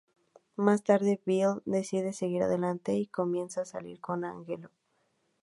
Más tarde Belle decide seguir adelante y comienza a salir con Angelo.